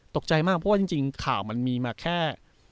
ตกใจมากเพราะว่าจริงข่าวมันมีมาแค่